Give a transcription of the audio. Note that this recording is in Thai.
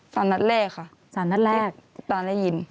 ตอนนัดแรกค่ะตอนนัดแรกตอนได้ยิน